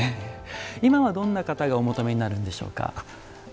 今は、どんな方がお求めになるんでしょうか。